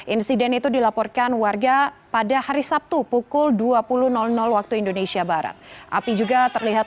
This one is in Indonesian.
insiden itu dilaporkan warga pada hari sabtu pukul dua puluh waktu indonesia barat api juga terlihat